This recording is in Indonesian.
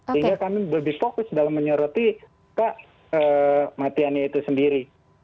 sehingga kami lebih fokus dalam menyoroti kematiannya itu sendiri